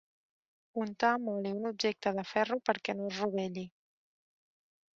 Untar amb oli un objecte de ferro perquè no es rovelli.